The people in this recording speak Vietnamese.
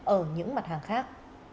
ở những mặt hàng khác